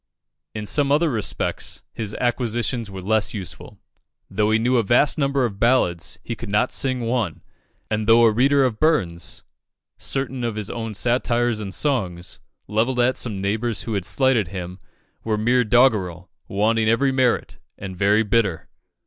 In some other respects, his acquisitions were less useful. Though he knew a vast number of ballads, he could not sing one; and though a reader of Burns, certain of his own satires and songs, levelled at some neighbours who had slighted him, were mere doggerel, wanting every merit, and very bitter.